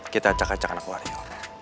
kita acak acak anak wario